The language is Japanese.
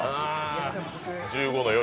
「１５の夜」。